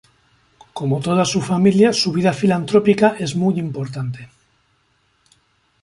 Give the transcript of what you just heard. Como toda su familia su vida filantrópica es muy importante.